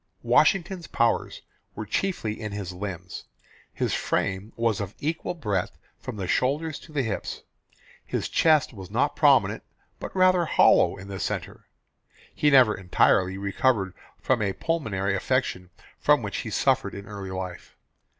Washington's powers were chiefly in his limbs. His frame was of equal breadth from the shoulders to the hips. His chest was not prominent but rather hollowed in the centre. He never entirely recovered from a pulmonary affection from which he suffered in early life.